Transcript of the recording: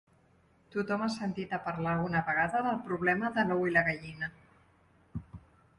Tothom ha sentit a parlar alguna vegada del problema de l'ou i la gallina.